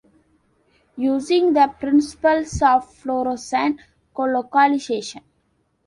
Using the principles of fluorescent colocalization.